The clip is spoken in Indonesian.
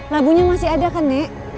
labunya masih ada kan dek